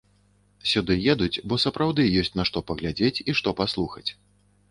Сюды едуць, бо сапраўды ёсць на што паглядзець і што паслухаць.